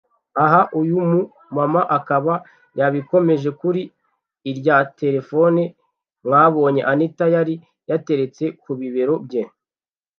Aha uyu mu mama akaba yabikomoje kuri irya Telefone mwabonye Anita yari yateretse ku bibero bye